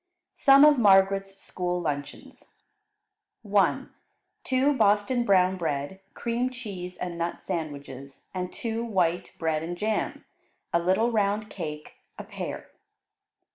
Some of Margaret's School Luncheons 1. Two Boston brown bread, cream cheese, and nut sandwiches, and two white bread and jam; a little round cake; a pear.